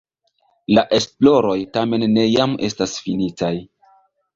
La esploroj tamen ne jam estas finitaj.